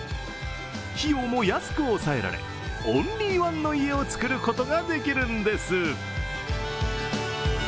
費用も安く抑えられ、オンリーワンの家をつくることができるんです。